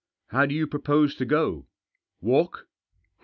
" How do you propose to go — walk